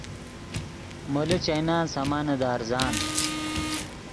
مولو چائینان سامانے دے ارزان